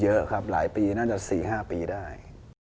เยอะครับหลายปีน่าจะ๔๕ปีได้